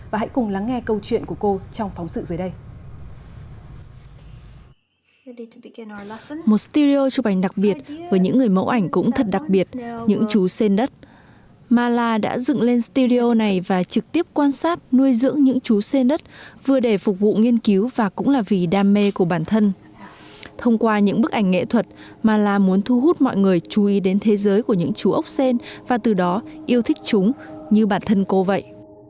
và hãy cùng lắng nghe câu chuyện của cô trong phóng sự dưới đây